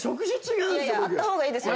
あった方がいいですよ。